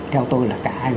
theo tôi là cả anh